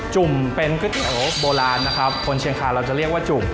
จุ่มเป็นก๋วยเตี๋ยวโบราณนะครับคนเชียงคาเราจะเรียกว่าจุ่ม